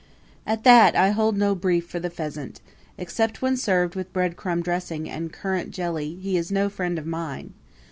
At that, I hold no brief for the pheasant except when served with breadcrumb dressing and currant jelly he is no friend of mine.